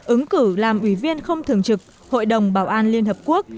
ứng cử làm ủy viên không thường trực hội đồng bảo an liên hợp quốc